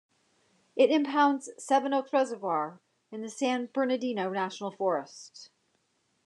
It impounds Seven Oaks Reservoir in the San Bernardino National Forest.